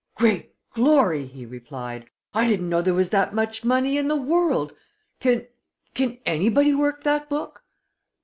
"Great glory!" he cried. "I didn't know there was that much money in the world. Can can anybody work that book?"